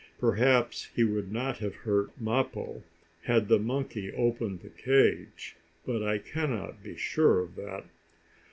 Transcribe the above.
Perhaps he would not have hurt Mappo, had the monkey opened the cage; but I cannot be sure of that.